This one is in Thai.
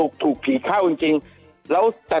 คุณติเล่าเรื่องนี้ให้ฮะ